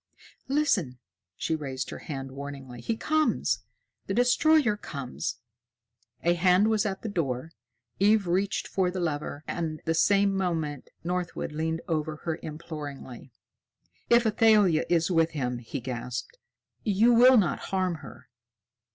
"Listen!" She raised her hand warningly. "He comes! The destroyer comes!" A hand was at the door. Eve reached for the lever, and, the same moment, Northwood leaned over her imploringly. "If Athalia is with him!" he gasped. "You will not harm her?"